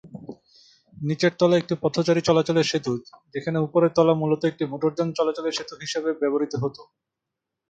নীচের তলা একটি পথচারী চলাচলের সেতু যেখানে উপরের তলা মূলত একটি মোটরযান চলাচলের সেতু হিসাবে ব্যবহৃত হত।